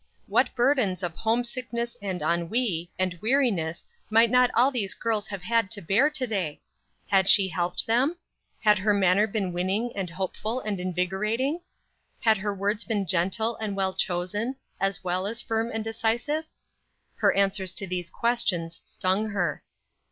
What burdens of homesickness and ennui and weariness might not all these girls have had to bear to day! Had she helped them? Had her manner been winning and hopeful and invigorating? Had her words been gentle and well chosen, as well as firm and decisive? Her answers to these questions stung her.